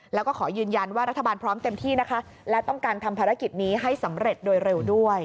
แล้วก็ขอยืนยันว่ารัฐบาลพร้อมเต็มที่นะคะและต้องการทำภารกิจนี้ให้สำเร็จโดยเร็วด้วย